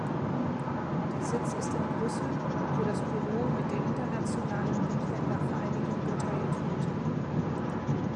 Der Sitz ist in Brüssel, wo das Büro mit der Internationalen Buchhändler-Vereinigung geteilt wird.